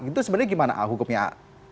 itu sebenarnya gimana hukumnya